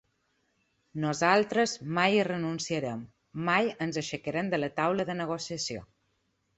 Nosaltres mai hi renunciarem, mai ens aixecarem de la taula de negociació.